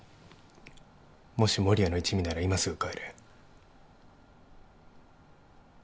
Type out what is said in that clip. もし守谷の一味なら今すぐ帰れ。